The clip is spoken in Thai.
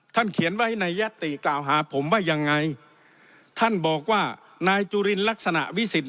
เขียนไว้ในยัตติกล่าวหาผมว่ายังไงท่านบอกว่านายจุลินลักษณะวิสิทธิ